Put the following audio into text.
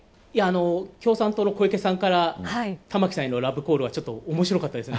共産党の小池さんから玉木さんへのラブコールはおもしろかったですね。